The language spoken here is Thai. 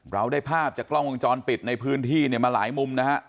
เราได้ภาพจากกล้องวงจรปิดในพื้นที่เนี่ยมาหลายมุมนะฮะ